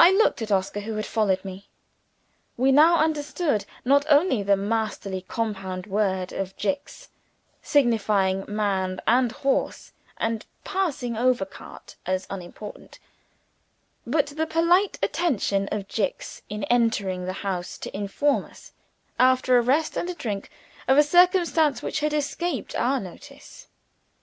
I looked at Oscar, who had followed me. We now understood, not only the masterly compound word of Jicks (signifying man and horse, and passing over cart as unimportant), but the polite attention of Jicks in entering the house to inform us, after a rest and a drink, of a circumstance which had escaped our notice.